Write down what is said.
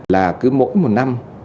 là cứ mỗi một năm